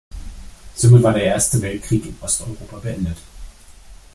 Somit war der Erste Weltkrieg in Osteuropa beendet.